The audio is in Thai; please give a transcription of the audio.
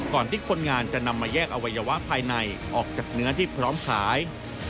ที่คนงานจะนำมาแยกอวัยวะภายในออกจากเนื้อที่พร้อมขาย